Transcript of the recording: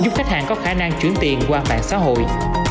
giúp khách hàng có khả năng chuyển tiền qua mạng xã hội